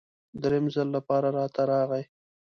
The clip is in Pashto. دریم ځل لپاره راته راغی.